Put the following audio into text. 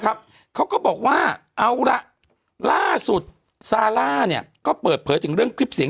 เขาก็บอกว่าเอาละล่าสุดซาร่าเนี่ยก็เปิดเผยถึงเรื่องคลิปเสียง